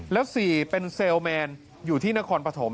แล้ว๔เป็นเซลแมนอยู่ที่นครปฐม